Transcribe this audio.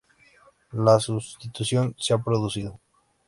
La sustitución se ha producido.